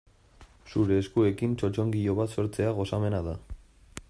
Zure eskuekin txotxongilo bat sortzea gozamena da.